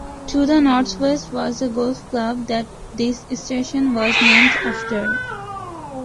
To the northwest was the golf club that this station was named after.